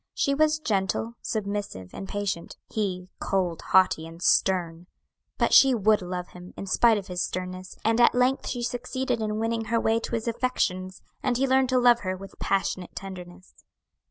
She was gentle, submissive, and patient; he cold, haughty, and stern. But she would love him, in spite of his sternness, and at length she succeeded in winning her way to his affections, and he learned to love her with passionate tenderness.